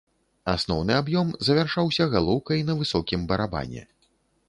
Асноўны аб'ём завяршаўся галоўкай на высокім барабане.